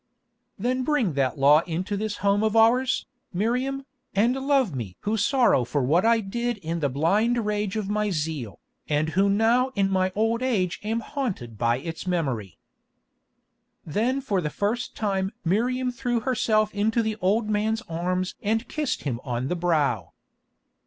"Then bring that law into this home of ours, Miriam, and love me who sorrow for what I did in the blind rage of my zeal, and who now in my old age am haunted by its memory." Then for the first time Miriam threw herself into the old man's arms and kissed him on the brow.